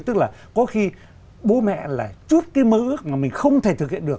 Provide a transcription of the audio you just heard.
tức là có khi bố mẹ là chút cái mơ ước mà mình không thể thực hiện được